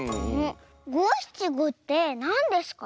ごしちごってなんですか？